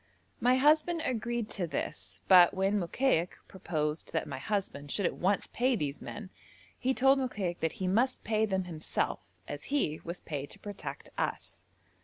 My husband agreed to this, but when Mokaik proposed that my husband should at once pay these men, he told Mokaik that he must pay them himself, as he was paid to protect us.